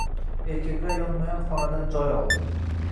Erkaklar yonma-yon xonadan joy oldi.